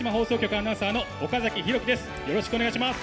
アナウンサーの岡崎太希です。